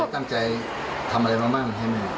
ตั้งใจทำอะไรมาบ้างให้แม่